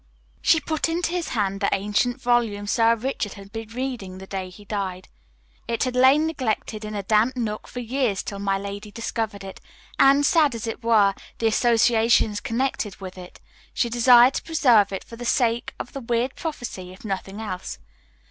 She put into his hand the ancient volume Sir Richard had been reading the day he died. It had lain neglected in a damp nook for years till my lady discovered it, and, sad as were the associations connected with it, she desired to preserve it for the sake of the weird prophecy if nothing else.